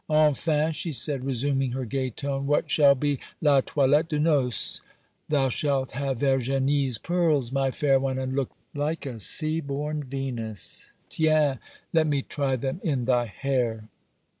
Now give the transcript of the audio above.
'Enfin,' she said, resuming her gay tone, 'what shall be la toilette de noce? Thou shalt have Verginie's pearls, my fair one, and look like a sea born Venus; tiens! let me try them in thy hair.